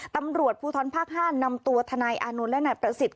ตำรวจภูทรภาค๕นำตัวทนายอานนท์และนายประสิทธิ